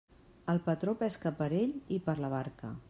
El patró pesca per ell i per la barca.